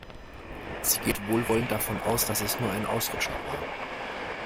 Sie geht wohlwollend davon aus, dass es nur ein Ausrutscher war.